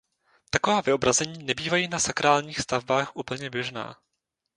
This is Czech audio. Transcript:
Taková vyobrazení nebývají na sakrálních stavbách úplně běžná.